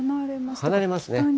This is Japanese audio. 離れますね。